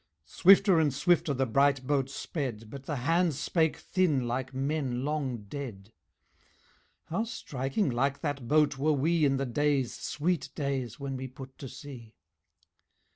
Swifter and swifter the bright boat sped, But the hands spake thin like men long dead "How striking like that boat were we In the days, sweet days, when we put to sea.